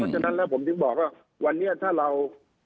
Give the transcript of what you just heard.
เพราะฉะนั้นและผมคิดบอกว่าวันนี้ถ้าเรา